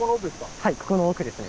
はいここの奥ですね。